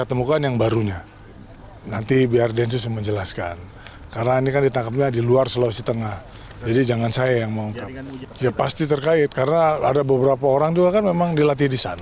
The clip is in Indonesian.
kepolisian filipina juga menangkap kurir berinisial at atas informasi densus delapan puluh delapan